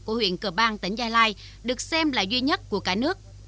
của huyện cờ bang tỉnh gia lai được xem là duy nhất của cả nước